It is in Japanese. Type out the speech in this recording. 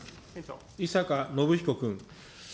井坂信彦君。